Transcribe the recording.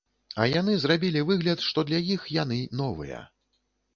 А яны зрабілі выгляд, што для іх яны новыя.